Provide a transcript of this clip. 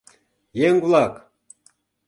Еҥ-влак!